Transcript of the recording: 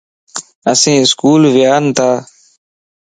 اسين اسڪول ونياتان